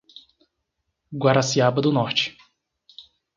Guaraciaba do Norte